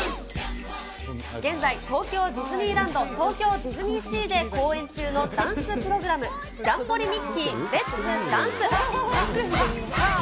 現在、東京ディズニーランド、東京ディズニーシーで公演中のダンスプログラム、ジャンボリミッキー！